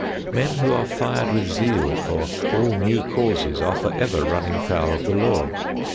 Men who are fired with zeal for all new causes are forever running foul of the law.